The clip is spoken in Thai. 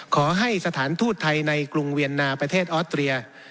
ขอให้สถานทูตไทยในกรุงเวียนนาประเทศออสเตรีย